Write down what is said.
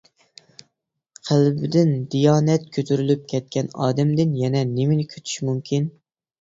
قەلبىدىن دىيانەت كۆتۈرۈلۈپ كەتكەن ئادەمدىن يەنە نېمىنى كۈتۈش مۇمكىن!